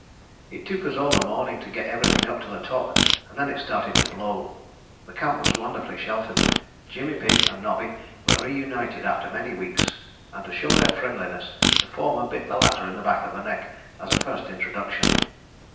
It took us all the morning to get everything up to the top and then it started to blow. The camp was wonderfully sheltered. Jimmy Pigg and Nobby were reunited after many weeks, and to show their friendliness the former bit the latter in the back of the neck as a first introduction.